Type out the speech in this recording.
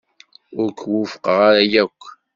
Ur k-wufqeɣ ara yakk.